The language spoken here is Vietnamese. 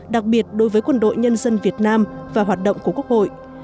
đặc biệt đối với quân đội nhân dân việt nam và hoạt động của quốc hội